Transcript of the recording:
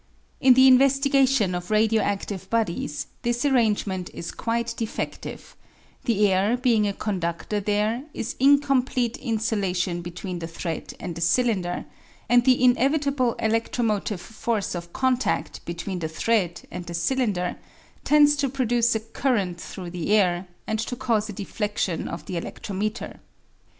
In the investigation of radio adive bodies this arrangement is quite defedive ; the air being a condudor there is incomplete insulation between the thread and the cylinder, and the inevitable eledromotive force of contad between the thread and the cylinder tends to produce a current through the air, and to cause a deflcdion of the eledrometer.